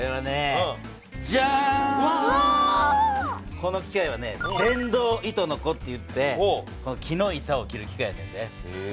この機械はね「電動糸のこ」といって木の板を切る機械やねんで。